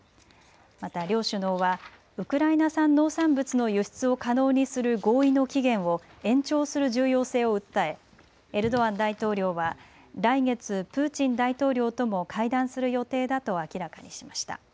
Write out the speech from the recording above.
また両首脳はウクライナ産農産物の輸出を可能にする合意の期限を延長する重要性を訴え、エルドアン大統領は来月、プーチン大統領とも会談する予定だと明らかにしました。